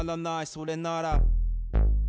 それなら。